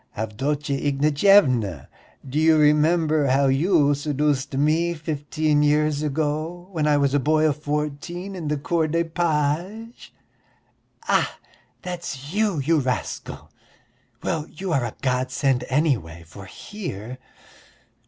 Avdotya Ignatyevna, do you remember how you seduced me fifteen years ago when I was a boy of fourteen in the Corps des Pages?" "Ah, that's you, you rascal! Well, you are a godsend, anyway, for here...."